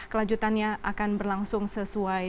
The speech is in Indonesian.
kelanjutannya akan berlangsung sesuai